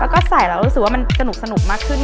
แล้วก็ใส่แล้วรู้สึกว่ามันสนุกมากขึ้น